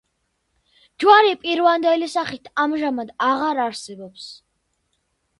ჯვარი პირვანდელი სახით ამჟამად აღარ არსებობს.